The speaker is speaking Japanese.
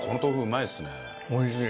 おいしい。